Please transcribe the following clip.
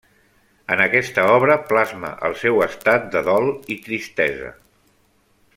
En aquesta obra plasma el seu estat de dol i tristesa.